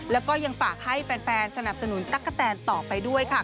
แล้วก็ยังฝากให้แฟนสนับสนุนตั๊กกะแตนต่อไปด้วยค่ะ